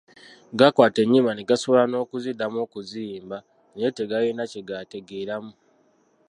Gakwata ennyimba ne gasobola n'okuziddamu okuziyimba, naye tegalina kye gategeeramu.